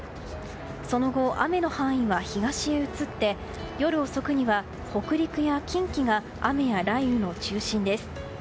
その後、雨の範囲は東へ移って夜遅くには北陸や近畿が雨や雷雨の中心です。